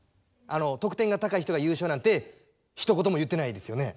得点が高い人が優勝なんてひと言も言ってないですよね。